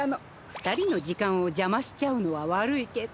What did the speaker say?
二人の時間を邪魔しちゃうのは悪いけど。